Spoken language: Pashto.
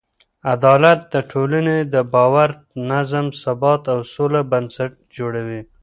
عدالت د ټولنې د باور، نظم، ثبات او سوله بنسټ جوړوي.